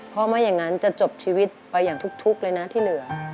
เพราะไม่อย่างนั้นจะจบชีวิตไปอย่างทุกข์เลยนะที่เหลือ